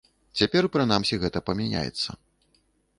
Цяпер прынамсі гэта памяняецца.